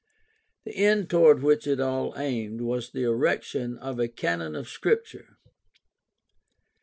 The end toward which it all aimed was the erection of a Canon of Scripture.